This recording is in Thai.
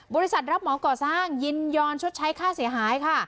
รับหมอก่อสร้างยินยอมชดใช้ค่าเสียหายค่ะ